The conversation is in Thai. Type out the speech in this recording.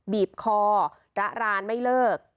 บีบคอระรานไม่เลิก